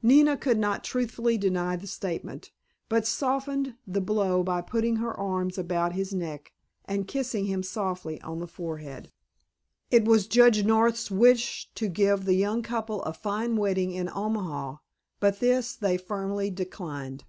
Nina could not truthfully deny the statement, but softened the blow by putting her arms about his neck and kissing him softly on the forehead. It was Judge North's wish to give the young couple a fine wedding in Omaha, but this they firmly declined.